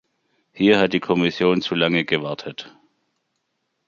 Hier hat die Kommission zu lange gewartet.